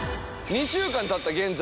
２週間たった現在。